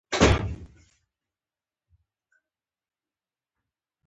د بل هېچا نه مني.